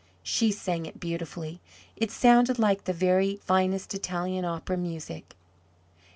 She sang it beautifully; it sounded like the very finest Italian opera music.